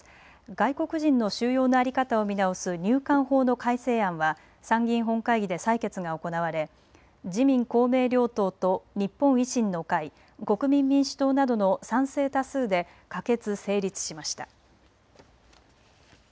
外国人の収容の在り方を見直す入管法の改正案は参議院本会議で採決が行われ、自民公明両党と日本維新の会、国民民主党などの賛成多数で可決・成立しました。